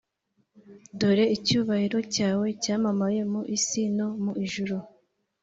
Dore icyubahiro cyawe cyamamaye mu isi no mu ijuru